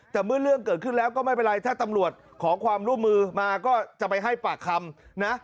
แต่เมื่อเรื่องเกิดขึ้นแล้วก็ไม่เป็นไรถ้าตำรวจขอความร่วมมือมาก็จะไปให้ปากคำนะ